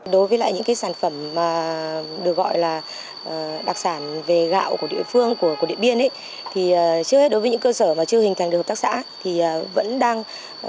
đối với lại những sản phẩm được gọi là đặc sản về gạo của địa phương của điện biên thì trước hết đối với những cơ sở mà chưa hình thành được hợp tác xã thì vẫn đang